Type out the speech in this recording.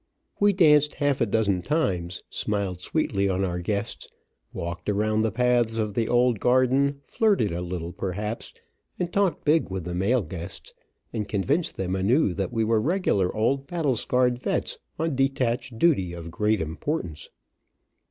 We danced half a dozen times, smiled sweetly on our guests, walked around the paths of the old garden, flirted a little perhaps, and talked big with the male guests, and convinced them anew that we were regular old battle scarred vets, on detached duty of great importance.